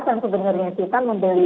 yang sebenarnya kita membeli